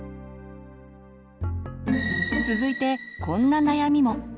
続いてこんな悩みも。